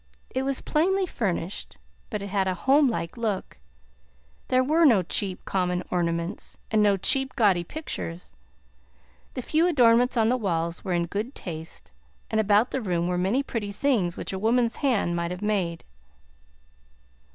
It was plainly furnished, but it had a home like look; there were no cheap, common ornaments, and no cheap, gaudy pictures; the few adornments on the walls were in good taste and about the room were many pretty things which a woman's hand might have made.